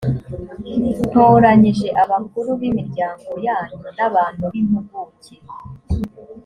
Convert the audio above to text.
ntoranyije abakuru b’imiryango yanyu n’abantu b’impuguke